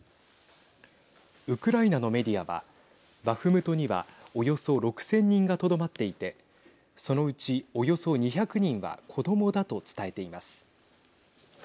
ウクライナのメディアはバフムトにはおよそ６０００人がとどまっていてそのうち、およそ２００人は子どもだと伝えています。